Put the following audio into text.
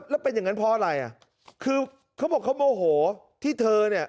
แล้วเป็นอย่างนั้นเพราะอะไรอ่ะคือเขาบอกเขาโมโหที่เธอเนี่ย